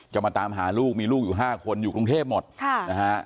มาตามหาลูกมีลูกอยู่๕คนอยู่กรุงเทพหมดค่ะนะฮะ